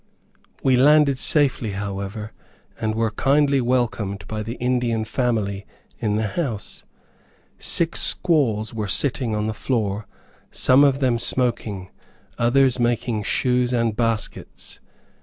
We landed safely, however, and were kindly welcomed by the Indian family in the house. Six squaws were sitting on the floor, some of them smoking, others making shoes and baskets.